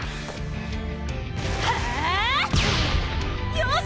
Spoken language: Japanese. よし！